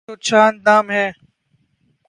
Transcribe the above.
یہ تو چند نام ہیں۔